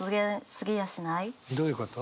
どういうこと？